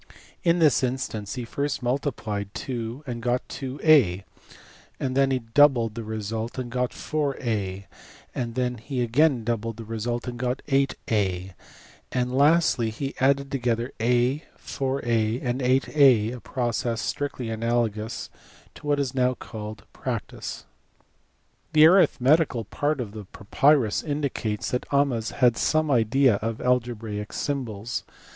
In this instance he first multiplied by 2 and got 2, then he doubled the result and got 4a, then he again doubled the result and got &a, and lastly he added together a, 4&, and Sa a process strictly analogous to what is now called "practice." The arithmetical part of the papyrus indicates that Ahmes had some idea of algebraic symbols.